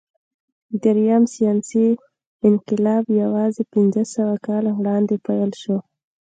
درېیم ساینسي انقلاب یواځې پنځهسوه کاله وړاندې پیل شو.